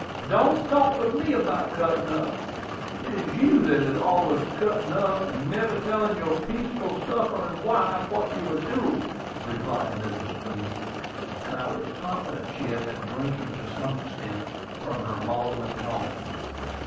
Don't talk to me about cuttin' up! It is you that is allus cuttin' up, and never tellin' your peaceful, sufferin' wife what you are doin'," replied Mrs. Boomsby; and I was confident she had been drinking to some extent, from her maudlin tones.